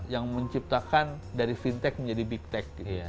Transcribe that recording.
yang menciptakan dari fintech menjadi big tech